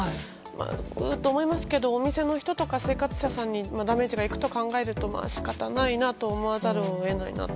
ううと思いますがお店の人とか生活者さんにダメージが行くと考えると、仕方ないなと思わざるを得ないなと。